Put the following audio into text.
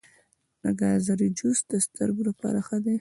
د ګازرې جوس د سترګو لپاره ښه دی.